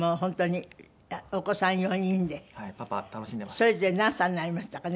それぞれ何歳になりましたかね？